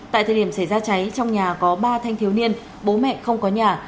tại thời điểm xảy ra cháy trong nhà có ba thanh thiếu niên bố mẹ không có nhà